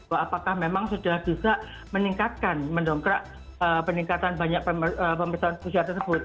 apakah memang sudah bisa meningkatkan mendongkrak peningkatan banyak pemerintah tersebut